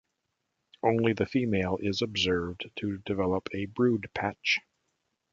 Only the female is observed to develop a brood patch.